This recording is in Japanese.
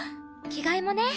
着替えもね。